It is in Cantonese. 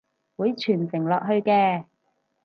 會傳承落去嘅！